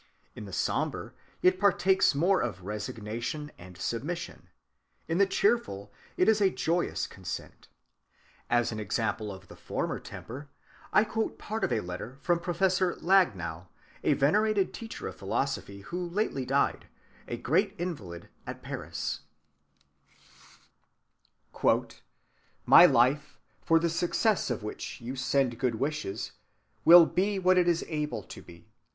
In the sombre it partakes more of resignation and submission; in the cheerful it is a joyous consent. As an example of the former temper, I quote part of a letter from Professor Lagneau, a venerated teacher of philosophy who lately died, a great invalid, at Paris:— "My life, for the success of which you send good wishes, will be what it is able to be.